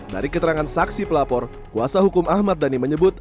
dari keterangan saksi pelapor kuasa hukum ahmad dhani menyebut